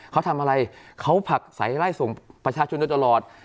เขาทำอะไรเขาผลักใสไล่ส่งประชาชนโดยตลอด